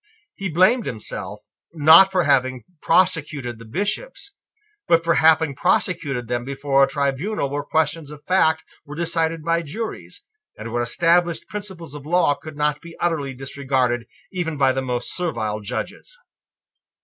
He blamed himself; not for having prosecuted the Bishops, but for having prosecuted them before a tribunal where questions of fact were decided by juries, and where established principles of law could not be utterly disregarded even by the most servile Judges.